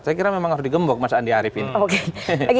saya kira memang harus digembok mas andi arief ini